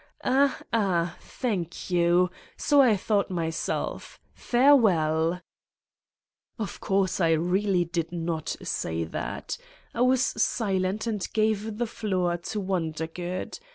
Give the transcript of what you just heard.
Ah, Ah! Thank you. So I thought myself. Farewell !'' Of course, I really did not say that. I was silent and gave the floor to Wondergood.